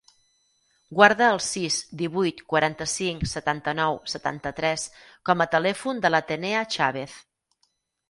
Guarda el sis, divuit, quaranta-cinc, setanta-nou, setanta-tres com a telèfon de l'Atenea Chavez.